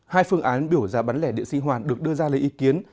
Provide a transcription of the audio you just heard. hai phương án biểu giá bán lẻ điện sinh hoạt được đưa ra lấy ý kiến